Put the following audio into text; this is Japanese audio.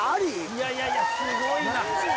いやいやいやすごいな。